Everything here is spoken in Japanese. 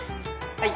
はい。